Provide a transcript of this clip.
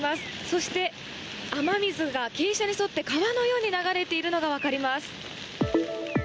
そして雨水が傾斜に沿って川のように流れているのがわかります。